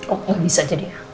oh nggak bisa jadi ya